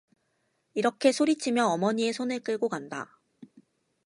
이렇게 소리치며 어머니의 손을 끌고 간다.